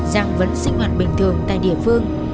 giang vẫn sinh hoạt bình thường tại địa phương